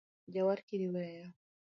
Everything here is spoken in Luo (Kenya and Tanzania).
Jawar kiri weya